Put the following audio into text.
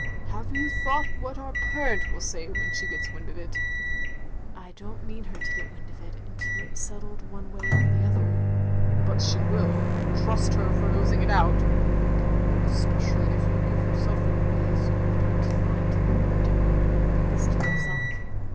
"Have you thought what our parent will say when she gets wind of it?" " I don't mean her to get wind of it, until it 's settled one way or the other. " "But she will — ^trust her for nosing it out." (The more especially if you give yourself away as you have done to night, thought Dermot, but this to himself.)